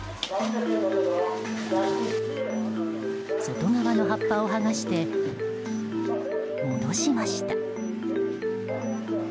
外側の葉っぱを剥がして戻しました。